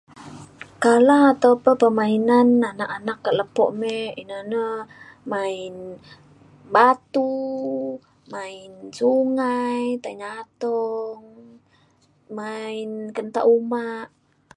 kala atau pah permainan anak anak ka lepo me ina na main batu main sungai tai nyatong main kentak uma